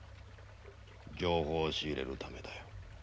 情報を仕入れるためだよ。